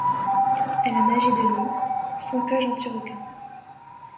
Elle a nagé de nuit sans cage anti-requins.